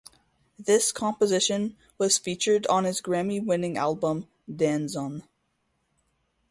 This composition was featured on his Grammy-winning album, "Danzon".